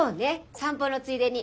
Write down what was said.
散歩のついでに。